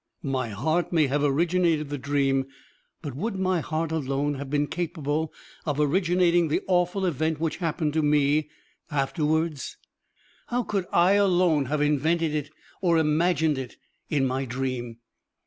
My heart may have originated the dream, but would my heart alone have been capable of originating the awful event which happened to me afterwards? How could I alone have invented it or imagined it in my dream?